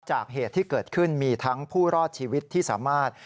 เหตุที่เกิดขึ้นมีทั้งผู้รอดชีวิตที่สามารถ